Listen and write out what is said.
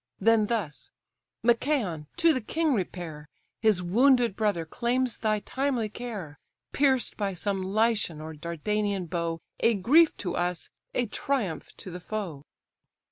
Then thus: "Machaon, to the king repair, His wounded brother claims thy timely care; Pierced by some Lycian or Dardanian bow, A grief to us, a triumph to the foe."